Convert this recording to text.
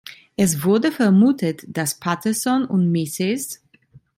Es wurde vermutet, dass Patterson und Mrs.